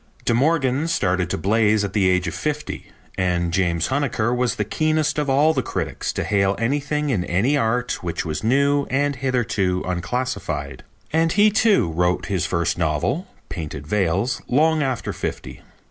De Morgan started to blaze at the age of fifty, and James Huneker was the keenest of all the critics to hail anything in any art which was new and hitherto unclassified. And he, too, wrote his first novel, Painted Veils, long after fifty.